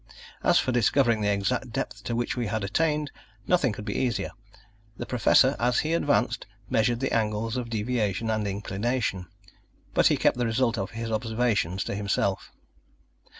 As for discovering the exact depth to which we had attained, nothing could be easier. The Professor as he advanced measured the angles of deviation and inclination; but he kept the result of his observations to himself.